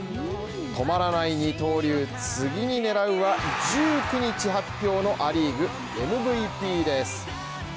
止まらない二刀流、次に狙うは１９日発表のア・リーグＭＶＰです。